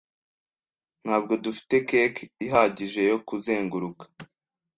Ntabwo dufite cake ihagije yo kuzenguruka.